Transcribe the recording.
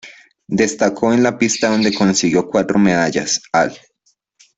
Destacó en la pista donde consiguió cuatro medallas al